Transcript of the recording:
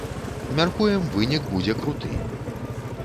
Мяркуем, вынік будзе круты.